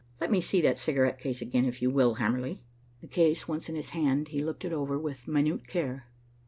"Let me see that cigarette case again, if you will, Hamerly?" The case once in his hand, he looked it over with minute care.